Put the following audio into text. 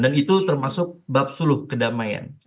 dan itu termasuk bab suluh kedamaian